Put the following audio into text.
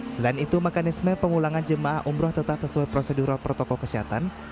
selain itu mekanisme pengulangan jemaah umroh tetap sesuai prosedural protokol kesehatan